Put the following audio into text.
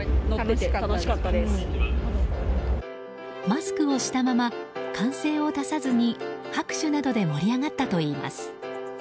マスクをしたまま歓声を出さずに拍手などで盛り上がったといいます。